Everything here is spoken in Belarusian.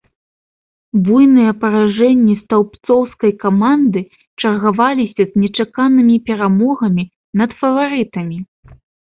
Буйныя паражэнні стаўбцоўскай каманды чаргаваліся з нечаканымі перамогамі над фаварытамі.